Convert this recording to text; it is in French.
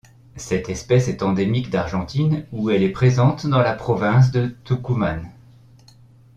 Cette espèce est endémique d'Argentine où elle est présente dans la province de Tucumán.